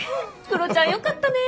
クロチャンよかったね。